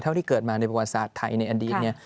เท่าที่เกิดมาในประวัติศาสตร์ไทยในอดีตเนี่ย